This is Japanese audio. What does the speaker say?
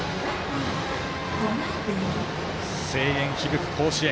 声援響く甲子園。